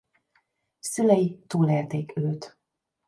Szülei túlélték őt.